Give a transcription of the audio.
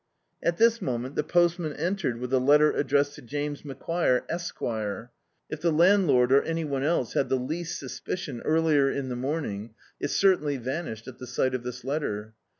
At this mcmient the postman entered with a letter addressed to James Macquire, Esq. If the land lord, or any one else, had the least suspicion earlier in the morning; it certainly vanished at the si^t of this letter.